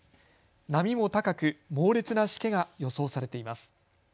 波も高く猛烈なしけが予想されています。